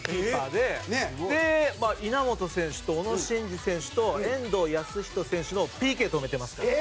で稲本選手と小野伸二選手と遠藤保仁選手のＰＫ止めてますから。